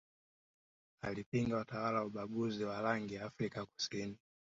alipinga utawala wa ubaguzi wa rangi Afrika kusini